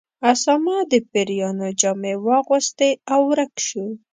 اسامه د پیریانو جامې واغوستې او ورک شو.